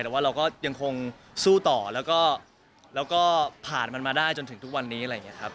แต่ว่าเราก็ยังคงสู้ต่อแล้วก็ผ่านมันมาได้จนถึงทุกวันนี้อะไรอย่างนี้ครับ